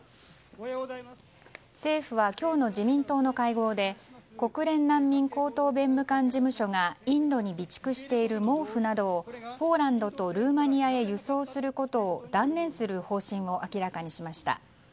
政府は今日の自民党の会合で国連難民高等弁務官事務所がインドに備蓄している毛布などをポーランドとルーマニアへ輸送することを断念する方針を明らかにしました。